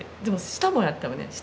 でも下もやったよね。